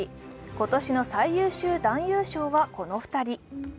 今年の最優秀男優賞はこの２人。